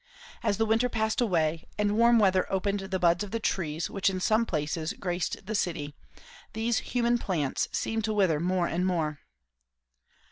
As the winter passed away, and warm weather opened the buds of the trees which in some places graced the city, these human plants seemed to wither more and more.